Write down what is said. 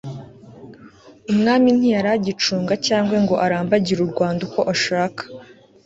umwami ntiyari agicunga cyangwa ngo arambagire u rwanda uko ashaka